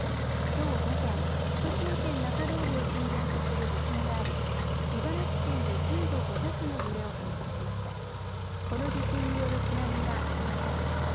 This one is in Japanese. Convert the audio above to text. きょう午前、福島県中通りを震源とする地震があり茨城県で震度５弱の揺れを観測しました。